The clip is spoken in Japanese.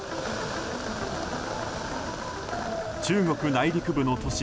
中国内陸部の都市・